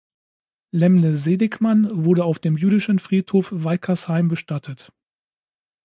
Lämmle Seligmann wurde auf dem jüdischen Friedhof Weikersheim bestattet.